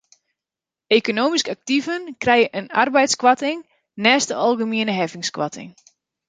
Ekonomysk aktiven krije in arbeidskoarting neist de algemiene heffingskoarting.